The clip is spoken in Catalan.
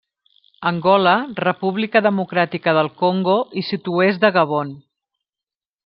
Angola, República Democràtica del Congo i sud-oest de Gabon.